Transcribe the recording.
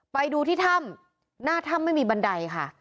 ไปดูที่ถ้ำหน้าถ้ำไม่มีบันไดค่ะ